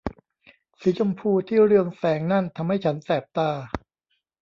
สีชมพูที่เรืองแสงนั่นทำให้ฉันแสบตา